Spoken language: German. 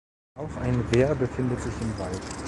Auch ein Wehr befindet sich im Wald.